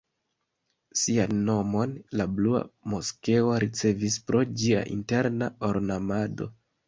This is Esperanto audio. Sian nomon la Blua moskeo ricevis pro ĝia interna ornamado.